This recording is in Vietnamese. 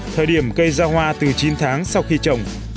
thời điểm cây ra hoa từ chín tháng sau khi trồng